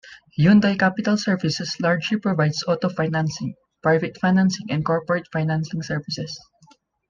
Hyundai Capital Services largely provides auto financing, private financing and corporate financing services.